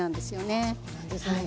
あそうなんですね。